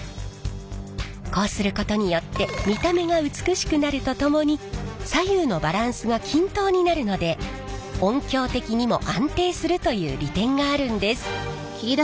こうすることによって見た目が美しくなるとともに左右のバランスが均等になるので音響的にも安定するという利点があるんです。